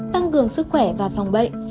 tăng cường sức khỏe và phòng bệnh